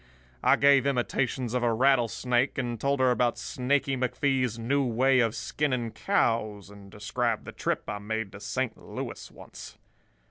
I gave imitations of a rattlesnake, and told her about Snaky McFee's new way of skinning cows, and described the trip I made to Saint Louis once.